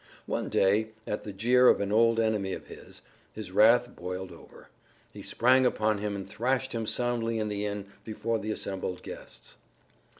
One day, at the jeer of an old enemy of his, his wrath boiled over. He sprang upon him and thrashed him soundly in the inn before the assembled guests.